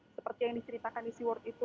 seperti yang diceritakan di seaword itu